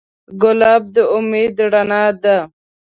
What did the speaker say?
ګلاب د امید رڼا ده.